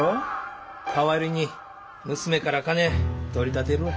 代わりに娘から金取り立てるわ。